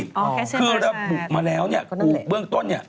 ของปุงเบื้องต้นเนี่ยคือระบุมาแล้วโดยรสเล็ก